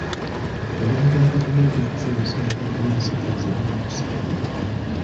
Mulimu gwa gavumenti okusomesa abalimi ensigo ezirina okusimbibwa.